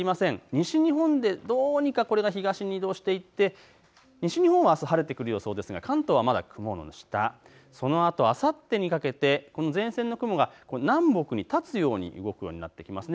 西日本でどうにか東に移動していって西日本はあす晴れてくる予想ですが関東はまだ雲の下、そのあとあさってにかけて前線の雲が南北にたつように動くようになってきます。